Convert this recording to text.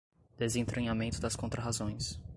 desentranhamento das contrarrazões